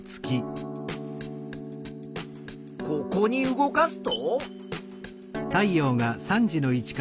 ここに動かすと？